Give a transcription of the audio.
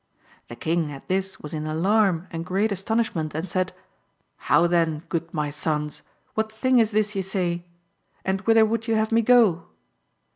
The King at this was in alarm and great astonishment, and said: "How then, good my sons, what thing is this ye say? and whither would ye have me go?"